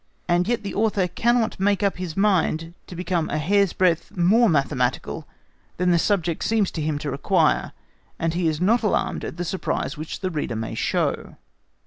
And yet the author cannot make up his mind to become a hair's breadth more mathematical than the subject seems to him to require, and he is not alarmed at the surprise which the reader may show.